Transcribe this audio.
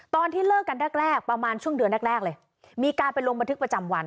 ตอนที่เลิกกันแรกแรกประมาณช่วงเดือนแรกแรกเลยมีการไปลงบันทึกประจำวัน